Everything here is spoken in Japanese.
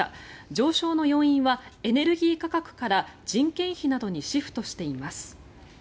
上昇の要因はエネルギー価格から人件費などにシフトしています。